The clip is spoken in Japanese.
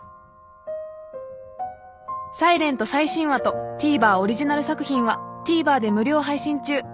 ［『ｓｉｌｅｎｔ』最新話とＴＶｅｒオリジナル作品はＴＶｅｒで無料配信中］